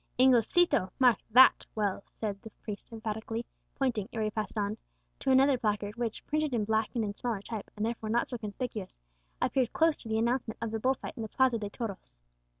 "Inglesito, mark that well!" said the priest emphatically, pointing, ere he passed on, to another placard which, printed in black and in smaller type, and therefore not so conspicuous, appeared close to the announcement of the bull fight in the Plaza de Toros.